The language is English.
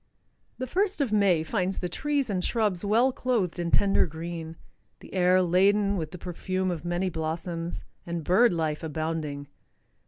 The first of May finds the trees and shrubs well clothed in tender green, the air laden with the perfume of many blossoms, and bird life abounding.